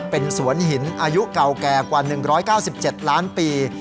เป็นสวนหินอายุเก่าแก่กว่า๑๙๗ล้านปี